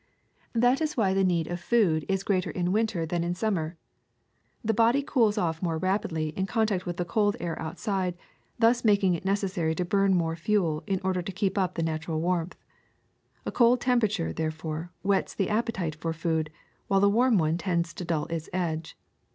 That is why the need of food is AIR 301 greater in winter than in summer. The body cools off more rapidly in contact with the cold air outside, thus making it necessary to burn more fuel in order to keep up the natural warmth. A cold temperature, therefore, whets the appetite for food, while a warm one tends to dull its edge.